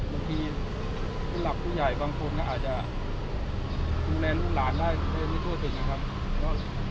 บางทีคุณหลักผู้ใหญ่บางคนอาจจะดูแลลูกหลานได้ไม่ทั่วชุดนะครับ